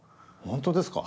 本当ですか。